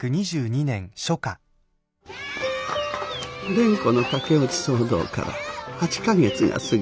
蓮子の駆け落ち騒動から８か月が過ぎました。